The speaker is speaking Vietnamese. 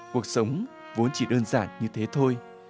cuộc sống vốn chỉ đơn giản như thế thôi